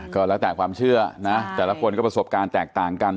ก็แล้วแต่ความเชื่อนะแต่ละคนก็ประสบการณ์แตกต่างกัน